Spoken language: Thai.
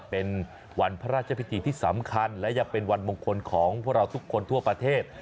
เป็นวันพระราชพิธีที่สำคัญและยังเป็นวันมงคลของพวกเราทุกคนทั่วประเทศ